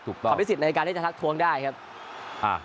ถูกต้องความพิสิทธิ์ในการที่จะทักทวงได้ครับ